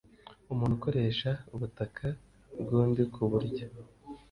Umuntu ukoresha ubutaka bw undi ku buryo